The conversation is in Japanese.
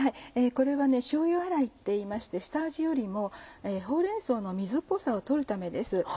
これはしょうゆ洗いっていいまして下味よりもほうれん草の水っぽさを取るためです。